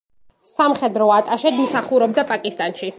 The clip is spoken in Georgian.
სამხედრო ატაშედ მსახურობდა პაკისტანში.